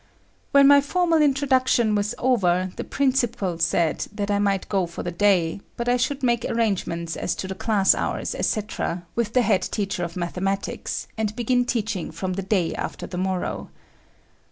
When my formal introduction was over, the principal said that I might go for the day, but I should make arrangements as to the class hours, etc., with the head teacher of mathematics and begin teaching from the day after the morrow.